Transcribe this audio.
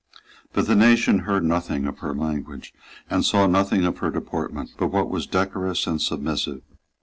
But the nation heard nothing of her language and saw nothing of her deportment but what was decorous and submissive.